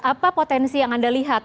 apa potensi yang anda lihat